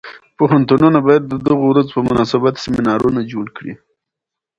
پوهنتونونه باید د دغو ورځو په مناسبت سیمینارونه جوړ کړي.